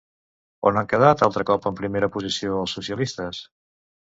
On han quedat altre cop en primera posició els socialistes?